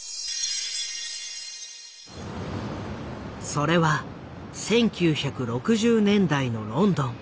それは１９６０年代のロンドン。